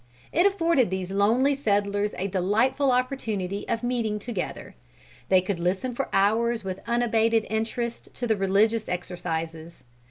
It afforded these lonely settlers a delightful opportunity of meeting together. They could listen for hours with unabated interest to the religious exercises.